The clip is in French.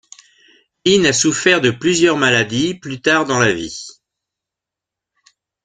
Lin a souffert de plusieurs maladies plus tard dans la vie.